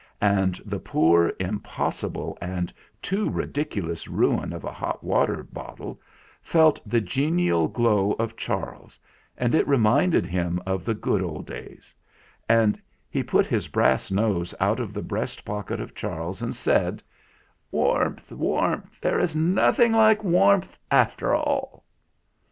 And the poor, impossible, and too ridiculous ruin of a hot water bottle felt the genial glow of Charles, and it reminded him of the good old days, and he put his brass nose out of the breast pocket of Charles and said: "Warmth warmth there is nothing like warmth, after all!"